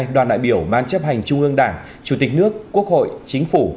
đoàn đại biểu ban chấp hành trung ương đảng chủ tịch nước quốc hội chính phủ